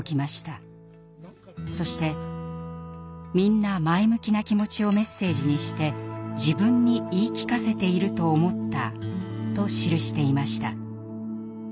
そして「みんな前向きな気持ちをメッセージにして自分に言い聞かせていると思った」と記していました。